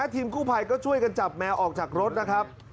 ทีมกู้ภัยก็ช่วยกันจับแมวออกจากรถนะครับ